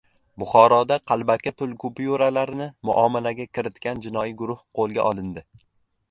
Buxoroda qalbaki pul kupyuralarini muomalaga kiritgan jinoiy guruh qo‘lga olindi